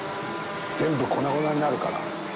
全部粉々になるから。